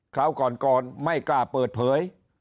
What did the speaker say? คราวก่อนไม่กล้าเปิดเผย